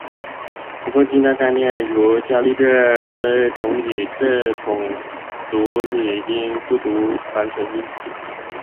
不过近代概念如伽利略虽同理却统读拟音不读传承音。